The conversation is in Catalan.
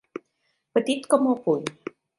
Petit com el puny.